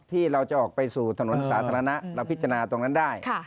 ที่เราจะออกไปสู่ถนนสาธารณะเราพิจารณาตรงนั้นได้